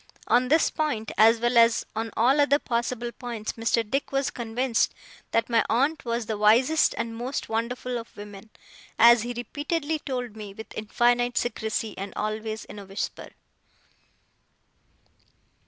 On this point, as well as on all other possible points, Mr. Dick was convinced that my aunt was the wisest and most wonderful of women; as he repeatedly told me with infinite secrecy, and always in a whisper.